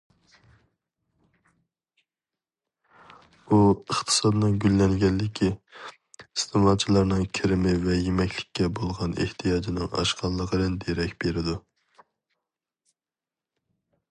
ئۇ-- ئىقتىسادنىڭ گۈللەنگەنلىكى، ئىستېمالچىلارنىڭ كىرىمى ۋە يېمەكلىككە بولغان ئېھتىياجىنىڭ ئاشقانلىقىدىن دېرەك بېرىدۇ.